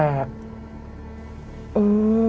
เออ